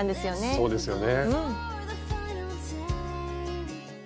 そうですよね。